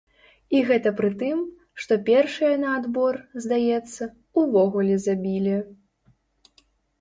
І гэта пры тым, што першыя на адбор, здаецца, увогуле забілі.